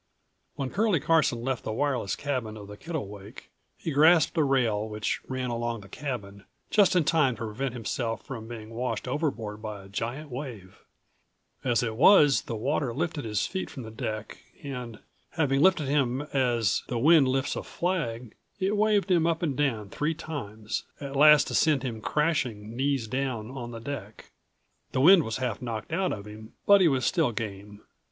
When Curlie Carson left the wireless cabin of the Kittlewake, he grasped a rail which ran along the cabin, just in time to prevent himself from being washed overboard by a giant wave. As it was, the water lifted his feet from the deck and, having lifted him as the wind lifts a flag, it waved him up and down three times, at last to send him crashing, knees down, on the deck. The wind was half knocked out of him, but he was still game.